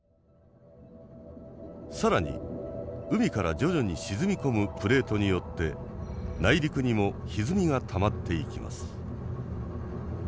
更に海から徐々に沈み込むプレートによって内陸にもひずみがたまっていきます。